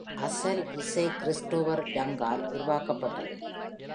அசல் இசை கிறிஸ்டோபர் யங்கால் உருவாக்கப்பட்டது.